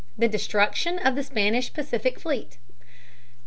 The Destruction of the Spanish Pacific Fleet.